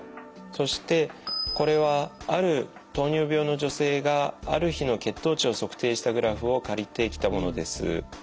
そしてこれはある糖尿病の女性がある日の血糖値を測定したグラフを借りてきたものです。